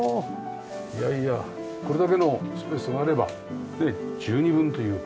いやいやこれだけのスペースがあれば十二分というか。